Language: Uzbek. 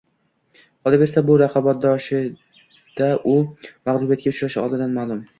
Qolaversa bu raqobatlashishda u mag‘lubiyatga uchrashi oldindan ma’lum.